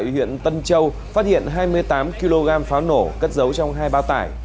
huyện tân châu phát hiện hai mươi tám kg pháo nổ cất dấu trong hai bao tải